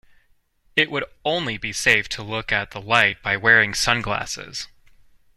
It would only be safe to look at the light by wearing sunglasses.